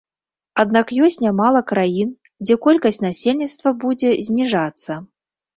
Аднак ёсць нямала краін, дзе колькасць насельніцтва будзе зніжацца.